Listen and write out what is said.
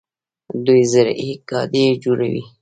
دوی زرهي ګاډي جوړوي.